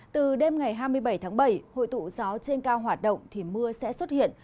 từ đêm ngày hai mươi bảy tháng bảy hội tụ gió trên cao hoạt động thì mưa sẽ xuất hiện